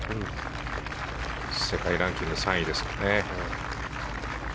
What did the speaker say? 世界ランキング３位ですからね。